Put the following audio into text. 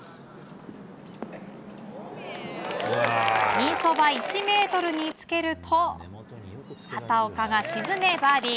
ピンそば１ｍにつけると畑岡が沈め、バーディー。